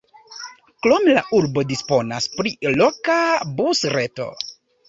Krome la urbo disponas pri loka busreto.